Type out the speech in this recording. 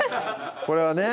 これはね